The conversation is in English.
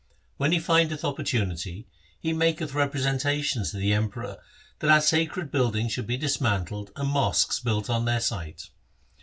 When he findeth oppor tunity he maketh representations to the Emperor that our sacred buildings should be dismantled and mosques built on their site.